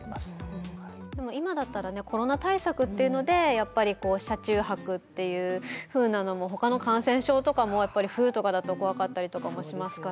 でも今だったらねコロナ対策っていうのでやっぱり車中泊っていうふうなのもほかの感染症とかもやっぱり冬とかだと怖かったりとかもしますからね。